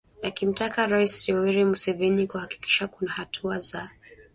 akimtaka Rais Yoweri Museveni kuhakikisha kuna hatua za